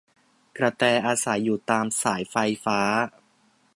กระแต อาศัยอยู่ตามสายไฟฟ้า